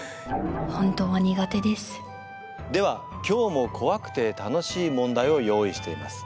では今日もこわくて楽しい問題を用意しています。